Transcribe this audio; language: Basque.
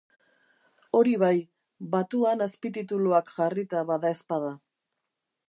Hori bai, batuan azpitituluak jarrita badaezpada.